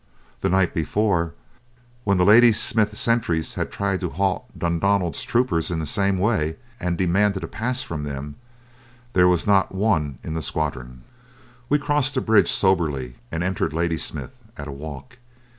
The night before, when the Ladysmith sentries had tried to halt Dundonald's troopers in the same way, and demanded a pass from them, there was not one in the squadron. We crossed the bridge soberly and entered Ladysmith at a walk.